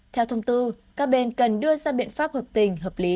theo thông tư các bên cần đưa ra biện pháp hợp tình hợp lý